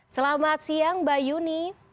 selamat siang mbak yuni